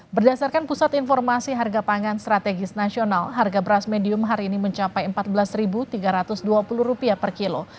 berdasarkan pusat informasi harga pangan strategis nasional harga beras medium hari ini mencapai rp empat belas tiga ratus dua puluh per kilo